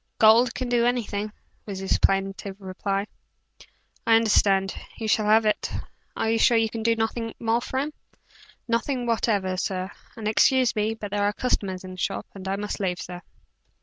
"Gold can do anything," was his plaintive reply. "I understand. You shall have it. Are you sure you can do nothing more for him?" "Nothing whatever, sir; and excuse me, but there are customers in the shop, and I must leave, sir."